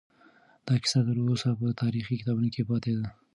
دا کیسه تر اوسه په تاریخي کتابونو کې پاتې ده.